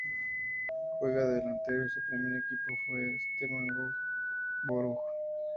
Juega de delantero y su primer equipo fue Stevenage Borough.